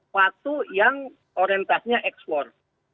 patuh yang orientasinya ekspor